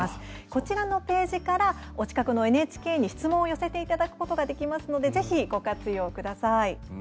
こちらのページからお近くのＮＨＫに質問を寄せていただくことができますのでぜひご活用ください。